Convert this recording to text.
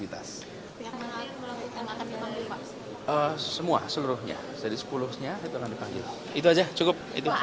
itu aja cukup